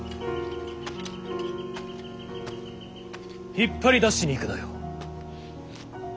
引っ張り出しに行くのよ。